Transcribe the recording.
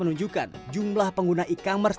menunjukkan jumlah pengguna e commerce